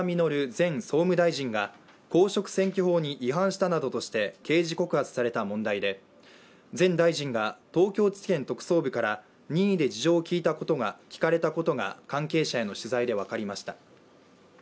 前総務大臣が公職選挙法に違反したなどとして刑事告発された問題で前大臣が東京地検特捜部から任意で事情を聞かれたことが関係者への取材で分かりました。